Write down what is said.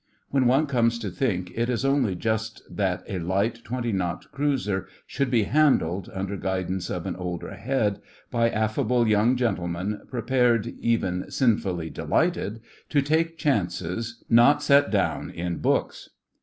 When one comes to think, it is only just that a light 20 knot cruiser should be handled, under guidance of an older head, by affable young gentlemen prepared, even sinfully delighted, to take chances not set down in books.